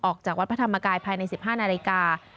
ออกจากวัดพระธรรมกายภายใน๑๕นาฬิกา